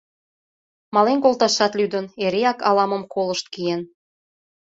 Мален колташат лӱдын, эреак ала-мом колышт киен.